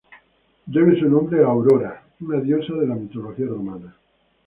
Está nombrado por Aurora, una diosa de la mitología romana.